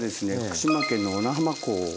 福島県の小名浜港